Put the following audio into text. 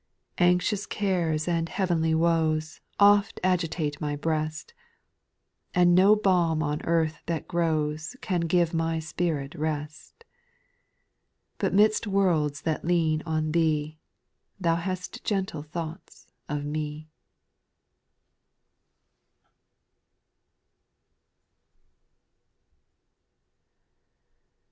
3. Anxious cares and heavy woes Oft agitate my breast ; And no balm on earth that grows Can give my spirit rest. But midst worlds that lean on Thee Thou hast gentle thoughts of me.